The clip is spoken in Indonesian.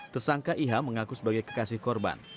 tersangka iha mengaku sebagai kekasih korban